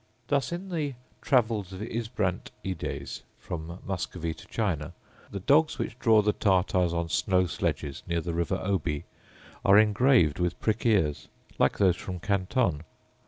Thus, in the Travels of Ysbrandt Ides from Muscovy to China, the dogs which draw the Tartars on snow sledges near the river Oby are engraved with prick ears, like those from Canton.